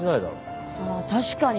ああ確かに。